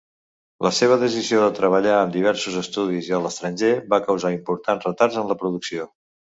La seva decisió de treballar amb diversos estudis a l'estranger va causar importants retards en la producció.